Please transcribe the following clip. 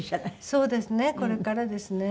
そうですねこれからですね。